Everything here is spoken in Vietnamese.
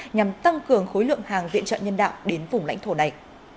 nhằm tăng cường khối lượng hàng viện trợ nhân đạo đến vùng lãnh thổ này